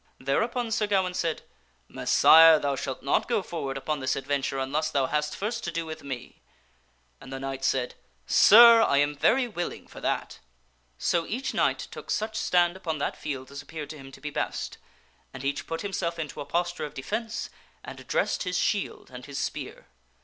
Thereupon Sir Gawaine said, " Messire, thou shalt not go forward upon this adventure unless thou hast first to do with me." And the knight said, " Sir, I am very willing for that.'' So each knight took such stand upon that field as appeared to him to be best, and each put himself into a posture of defence and dressed his shield and his spear.